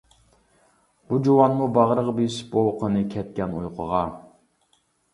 بۇ جۇۋانمۇ باغرىغا بېسىپ-بوۋىقىنى كەتكەن ئۇيقۇغا.